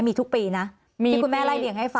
มีทุกปีนะที่คุณแม่ไล่เลี่ยงให้ฟัง